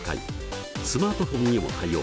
スマートフォンにも対応。